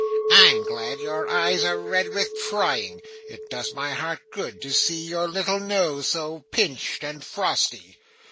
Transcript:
I'm glad your eyes are red with crying. It does my heart good to see your little nose so pinched and frosty.